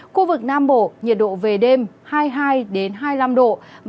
khu vực nam bộ nhiệt độ về đêm hai mươi hai hai mươi năm độ